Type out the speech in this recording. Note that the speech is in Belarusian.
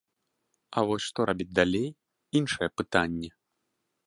А вось што рабіць далей, іншае пытанне.